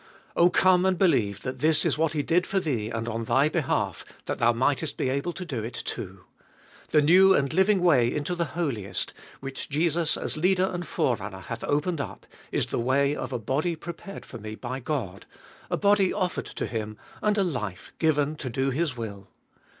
Oh, come and believe that this is what He did for thee and on thy behalf, that thou mightest be able to do it too. The new and living way into the Holiest, which Jesus as Leader and Fore runner hath opened up, is the way of a body prepared for me by God, a body offered to Him, and a life given to do His will.